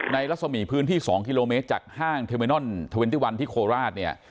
ในละสมีพื้นที่๒กิโลเมตรจากห้างเทอร์เมนอล๒๑ที่โคราชเนี่ย